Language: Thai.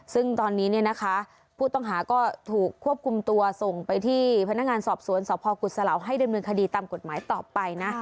ซึ่งตอนนี้เนี่ยนะคะผู้ต้องหาก็ถูกควบคุมตัวส่งไปที่พนักงานสอบสวนสพกุศลาวให้ดำเนินคดีตามกฎหมายต่อไปนะ